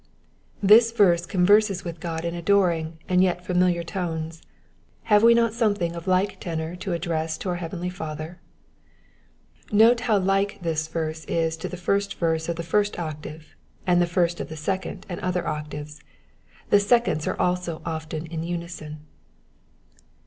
This verse converses with God in adoring and yet familiar tones. Have we not something of like tenor to address to our heavenly Father ? Note how like this verse is to the first verse of the first octave, and the first of the second and other octaves. The seconds also are often in unison.